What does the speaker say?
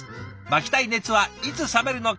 巻きたい熱はいつ冷めるのか」。